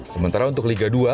sementara untuk liga dua